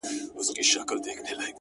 ښكلي دا ستا په يو نظر كي جــادو-